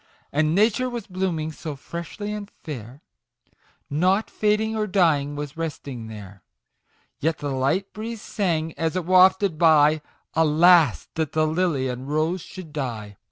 And Nature was blooming so freshly and fair, Nought fading or dying was resting there ; Yet the light breeze sang, as it wafted by, " Alas that the Lily and Rose should die